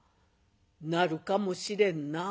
「なるかもしれんなあ」。